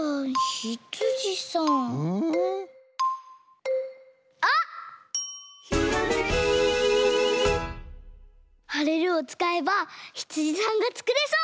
「ひらめき」「はれる」をつかえばヒツジさんがつくれそう！